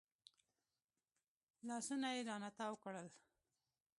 لاسونه يې رانه تاو کړل.